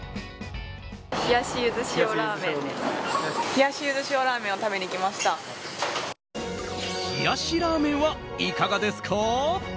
冷やしラーメンはいかがですか。